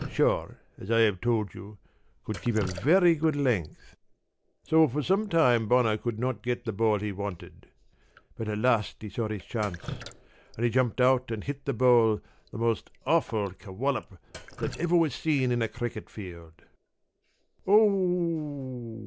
Shaw, as I have told you, could keep a very good length, so for some time Bonner could not get the ball he wanted, but at last he saw his chance, and he jumped out and hit that ball the most awful ker wallop that ever was seen in a cricket field." "Oo!"